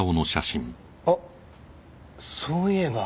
あっそういえば。